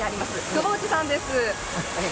久保内さんです。